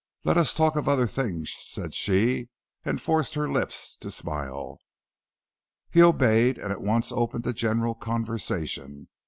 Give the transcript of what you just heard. "Let as talk of other things," said she, and forced her lips to smile. He obeyed, and at once opened a general conversation.